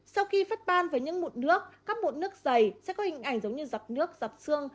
sau khi phát ban với những mụn nước các mụn nước dày sẽ có hình ảnh giống như dọc nước dọc xương